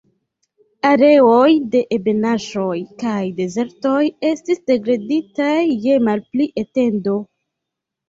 Areoj de ebenaĵoj kaj dezertoj estis degraditaj je malpli etendo.